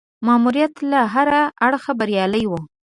ماموریت له هره اړخه بریالی وو.